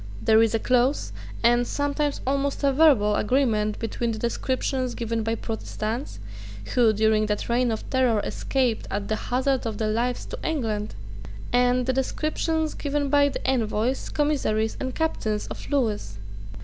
There is a close, and sometimes almost a verbal, agreement between the description given by Protestants, who, during that reign of terror, escaped, at the hazard of their lives, to England, and the descriptions given by the envoys, commissaries, and captains of Lewis.